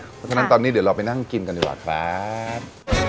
เพราะฉะนั้นตอนนี้เดี๋ยวเราไปนั่งกินกันดีกว่าครับ